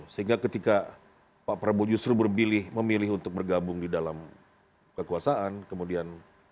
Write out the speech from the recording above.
sehingga ketika pak prabowo justru memilih untuk bergabung di dalam kekuasaan kemudian